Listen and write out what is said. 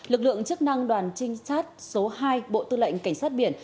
lực lượng chức năng đoàn trinh sát số hai bộ tư lệnh cảnh sát biển